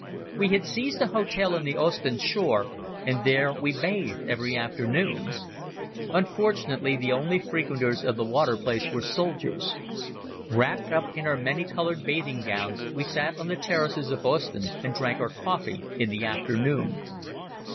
We had seized a hotel on the Ostend shore, and there we bathed every afternoon. Unfortunately the only frequenters of the watering place were soldiers. Wrapped up in our many colored bathing gowns we sat on the terraces of Ostend and drank our coffee in the afternoon.